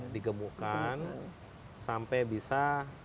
digemukkan sampai bisa lima ratus lima puluh enam ratus